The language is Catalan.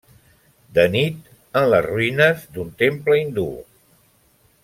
De nit, en les ruïnes d'un temple hindú.